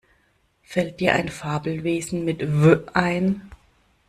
Fällt dir ein Fabelwesen mit W ein?